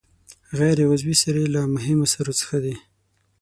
غیر عضوي سرې له مهمو سرو څخه دي.